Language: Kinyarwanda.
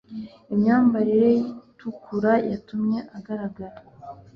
imyambarire ye itukura yatumye agaragara